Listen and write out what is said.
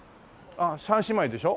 ３姉妹でしょ？